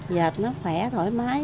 dịch nó khỏe thoải mái